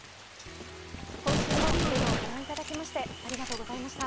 今週も「ｚｅｒｏ」をご覧いただきましてありがとうございました。